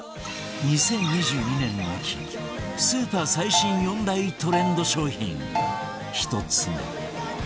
２０２２年秋スーパー最新４大トレンド商品１つ目